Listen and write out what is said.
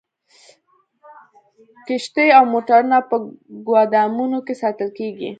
کښتۍ او موټرونه په ګودامونو کې ساتل کیږي